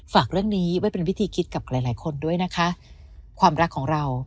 ฝากเรื่องนี้ไว้เป็นวิธีคิดกับหลายหลายคนด้วยนะคะความรักของเรา